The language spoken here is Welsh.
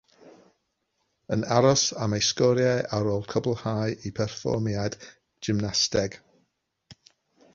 Yn aros am ei sgoriau ar ôl cwblhau ei pherfformiad gymnasteg.